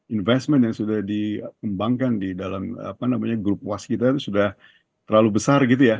investment yang sudah dikembangkan di dalam grup was kita itu sudah terlalu besar gitu ya